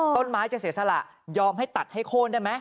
ต้นไม้จะเสียสละยอมให้ตัดให้โค้นได้ไหม